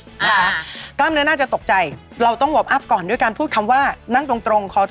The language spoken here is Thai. น้ำเม้มปากเข้าไปสุดค่ะห่อปากเข้าไปให้หมด